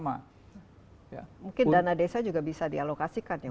mungkin dana desa juga bisa dialokasikan ya